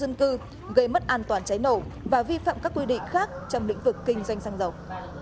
dân cư gây mất an toàn cháy nổ và vi phạm các quy định khác trong lĩnh vực kinh doanh xăng dầu